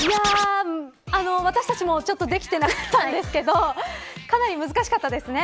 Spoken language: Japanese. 私たちもちょっとできてなかったんですけどかなり難しかったですね。